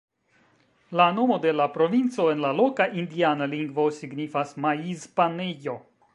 La nomo de la provinco en la loka indiana lingvo signifas "maiz-panejo".